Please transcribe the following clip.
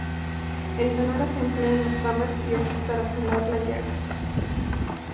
En Sonora, se emplean las ramas y hojas para sanar la llaga.